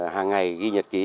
hàng ngày ghi nhật ký